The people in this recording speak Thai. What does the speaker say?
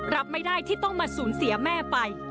รับไม่ได้ที่ต้องมาสูญเสียแม่ไป